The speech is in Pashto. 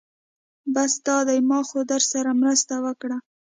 بس دا دی ما خو درسره مرسته وکړه.